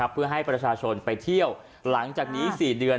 เพื่อให้ประชาชนไปเที่ยวหลังจากนี้๔เดือน